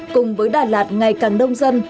cùng với đà lạt ngày càng đông dân